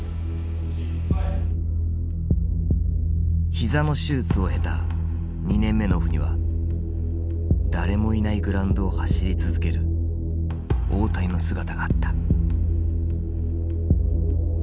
膝の手術を経た２年目のオフには誰もいないグラウンドを走り続ける大谷の姿があった。